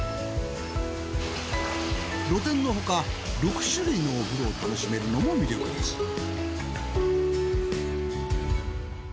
露天のほか６種類のお風呂を楽しめるのも魅力です。